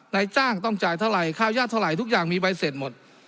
นายจ้างต้องจ่ายเท่าไหร่ค่าย่าเท่าไหร่ทุกอย่างมีใบเสร็จหมด